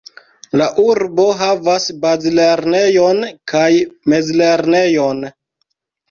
La urbo havas bazlernejon kaj mezlernejon.